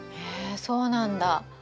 へえそうなんだ。